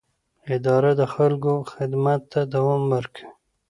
اداره د خلکو خدمت ته دوام ورکوي.